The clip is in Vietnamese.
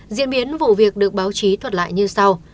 diễn biến vụ việc được báo chí thuật lại như sau